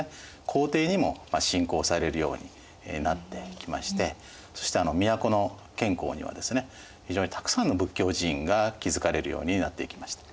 皇帝にも信仰されるようになってきましてそして都の建康にはですね非常にたくさんの仏教寺院が築かれるようになっていきました。